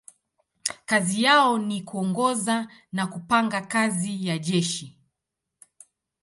Kazi yao ni kuongoza na kupanga kazi ya jeshi.